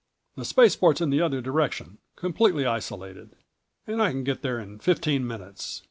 The Spaceport's in the other direction, completely isolated. And I can get there in fifteen minutes